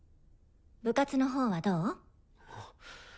部活のほうはどう？